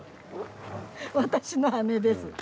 私の姉です。